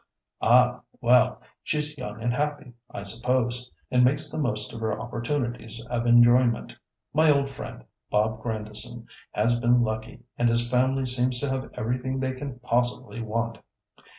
"Ah! well, she's young and happy, I suppose, and makes the most of her opportunities of enjoyment. My old friend, Bob Grandison, has been lucky, and his family seem to have everything they can possibly want."